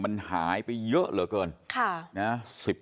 มันหายไปเยอะเหลือเกินค่ะน่ะสิบ